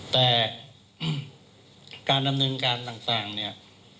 แต่การดำเนินการต่างเนี่ย